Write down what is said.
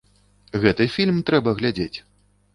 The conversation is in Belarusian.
Гэты фільм трэба глядзець!